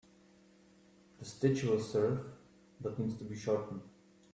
The stitch will serve but needs to be shortened.